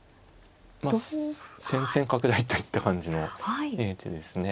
戦線拡大といった感じの手ですね。